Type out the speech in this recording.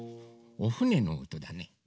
おふねのおとだね。